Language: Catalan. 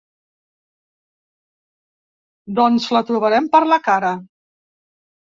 Doncs la trobarem per la cara.